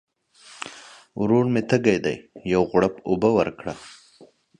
ورور مي تږی دی ، یو غوړپ اوبه ورکړه !